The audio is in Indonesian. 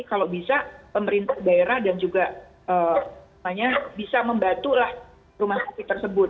kalau bisa pemerintah daerah dan juga bisa membantulah rumah sakit tersebut